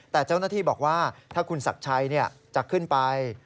แต่เจ้าหน้าที่บอกว่าถ้าคุณศักดิ์ชัยจะขึ้นไป